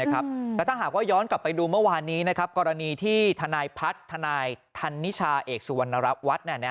แต่ถ้าหากว่าย้อนกลับไปดูเมื่อวานนี้กรณีที่ทนายพัฒน์ทนายธันนิชาเอกสุวรรณวัฒน์